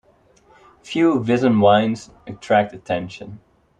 Few Visan wines attract attention.